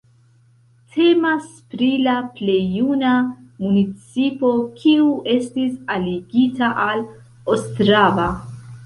Temas pri la plej juna municipo, kiu estis aligita al Ostrava.